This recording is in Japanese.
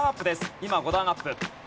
今５段アップ。